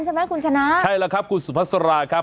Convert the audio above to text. ใช่ไหมคุณชนะใช่แล้วครับคุณสุภาษาราครับ